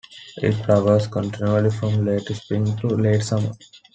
It flowers continually from late spring to late summer.